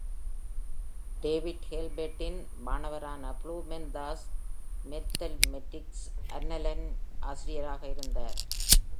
David ஹில்பெர்ட்டின் மாணவரான Blumenthal “மேத்தமெட்டிஸ்க் அன்னலனின்” ஆசிரியராக இருந்தார்.